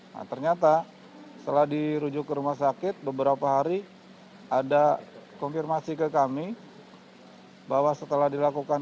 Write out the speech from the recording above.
nah ternyata setelah dirujuk ke rumah sakit beberapa hari ada konfirmasi ke kami bahwa setelah dilakukan